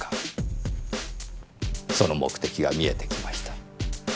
その目的が見えてきました。